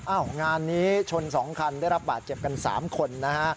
งานนี้ชน๒คันได้รับบาดเจ็บกัน๓คนนะฮะ